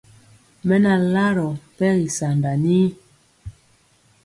Mɛ na larɔ mpɛgi sanda nii.